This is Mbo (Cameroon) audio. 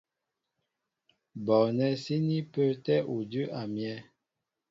Bɔɔnɛ́ síní pə́ə́tɛ́ udʉ́ a myɛ́.